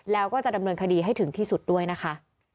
แล้วก็จะดำเนินคดีให้ถึงที่สุดด้วยนะคะ